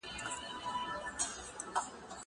زه مخکي مېوې خوړلي وه!